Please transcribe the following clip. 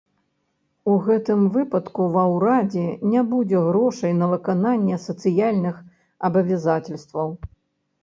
У гэтым выпадку ва ўрада не будзе грошай на выкананне сацыяльных абавязацельстваў.